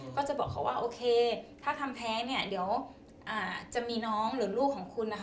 ก็จะบอกเขาว่าโอเคถ้าทำแท้เนี่ยเดี๋ยวจะมีน้องหรือลูกของคุณนะคะ